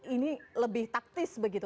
ini lebih taktis begitu